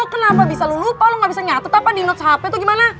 kenapa bisa lu lupa lo gak bisa nyata apa di notes hp tuh gimana